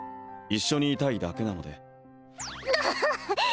一緒にいたいだけなのでんあっ！